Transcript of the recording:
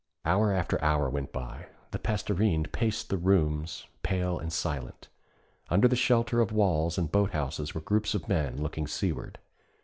Hour after hour went by; the Pastorinde paced the rooms, pale and silent. Under the shelter of walls and boat houses were groups of men looking seaward.